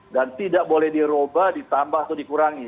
dan tidak boleh diroba ditambah atau dikurangi